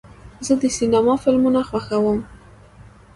زه د سینما فلمونه خوښوم.